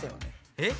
えっ？